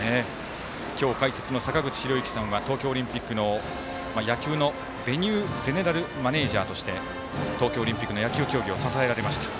きょう、解説の坂口裕之さんは東京オリンピックの野球のべニューゼネラルマネージャーとして東京オリンピックの野球競技を支えられました。